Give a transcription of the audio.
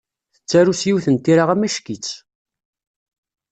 Tettaru s yiwet n tira amack-itt.